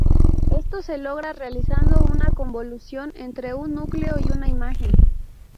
Esto se logra realizando una convolución entre un núcleo y una imagen.